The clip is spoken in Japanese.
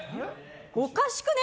おかしくね？